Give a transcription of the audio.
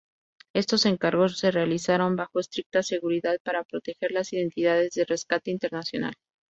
Estos encargos se realizaron bajo estricta seguridad para proteger las identidades de Rescate Internacional.